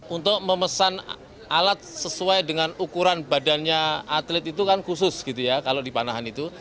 untuk memesan alat sesuai dengan ukuran badannya atlet itu kan khusus gitu ya kalau di panahan itu